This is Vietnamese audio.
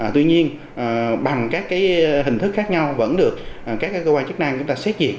tuy nhiên bằng các hình thức khác nhau vẫn được các cơ quan chức năng chúng ta xét duyệt